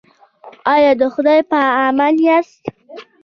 ایا د خدای په امان یاست؟